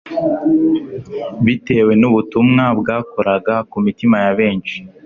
bitewe n'ubutumwa bwakoraga ku mitima ya benshi.